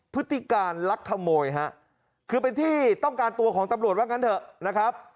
พฤติการลักขโมยฮะคือเป็นที่ต้องการตัวของตำรวจว่างั้นเถอะนะครับ